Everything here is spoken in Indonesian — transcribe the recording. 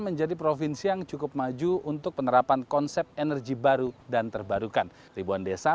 menjadi provinsi yang cukup maju untuk penerapan konsep energi baru dan terbarukan ribuan desa